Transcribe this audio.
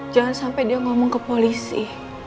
jangan sampai dia ngomong ke polisi